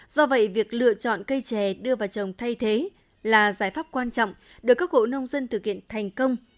do vậy việc lựa chọn cây trẻ đưa vào trồng thay thế là giải pháp quan trọng được các hộ nông dân thực hiện thành công